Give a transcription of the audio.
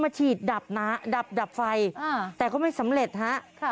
มาฉีดดับหนาดับไฟแต่ก็ไม่สำเร็จฮะ